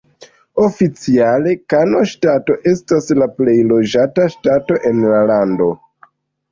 Oficiale, Kano Ŝtato estas la plej loĝata ŝtato en la lando.